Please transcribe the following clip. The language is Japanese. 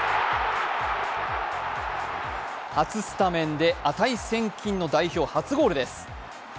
初スタメンで値千金の初ゴールです。